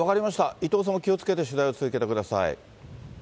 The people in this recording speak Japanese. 伊藤さんも気をつけて取材を続けてください。